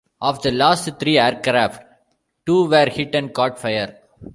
Of the last three aircraft, two were hit and caught fire.